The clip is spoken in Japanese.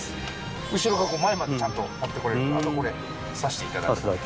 後ろから前までちゃんと持ってこれるんであとこれ挿していただく。